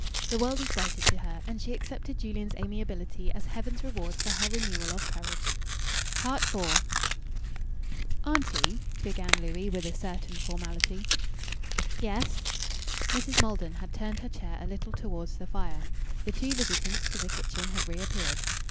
The world was brighter to her, and she accepted Julian's amiability as Heaven's reward for her renewal of courage. IV "Auntie " began Louis, with a certain formality. "Yes?" Mrs. Maldon had turned her chair a little towards the fire. The two visitants to the kitchen had reappeared.